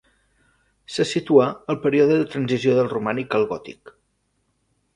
Se situa al període de transició del romànic al gòtic.